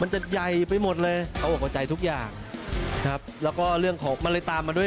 จะใหญ่ไปหมดเลยเขาออกหัวใจทุกอย่างครับแล้วก็เรื่องของมันเลยตามมาด้วย